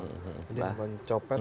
jadi bukan copet